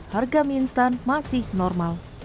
harga mie instan masih normal